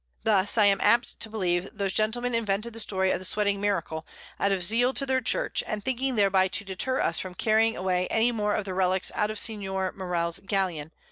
Thus I am apt to believe those Gentlemen invented the Story of the sweating Miracle, out of Zeal to their Church, and thinking thereby to deter us from carrying away any more of the Relicks out of Senior Morell's Galeon.